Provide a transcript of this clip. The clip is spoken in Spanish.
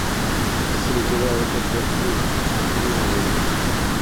Si se las lleva a otra parte tienden a volver.